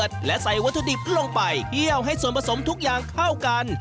เที่ยวให้ส่วนผสมทุกอย่างเข้ากัน